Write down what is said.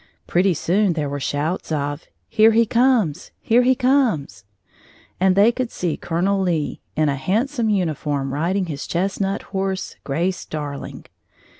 Pretty soon there were shouts of "Here he comes here he comes!" and they could see Colonel Lee, in a handsome uniform, riding his chestnut horse, Grace Darling.